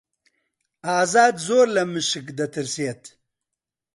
ئازاد زۆر لە مشک دەترسێت.